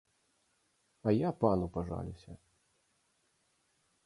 А я пану пажалюся!